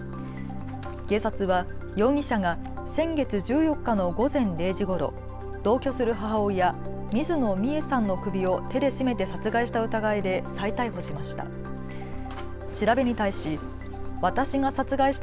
警察は容疑者が先月１４日の午前０時ごろ同居する母親、水野美惠さんの首を手で絞めて殺害した疑いで再逮捕しました。